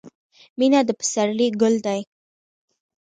• مینه د پسرلي ګل دی.